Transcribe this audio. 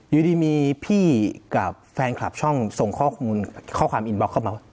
อยู่ดีมีพี่กับแฟนคลับช่องส่งข้อมูลข้อความอินบล็อกเข้ามา